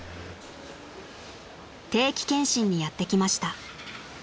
［定期検診にやって来ました］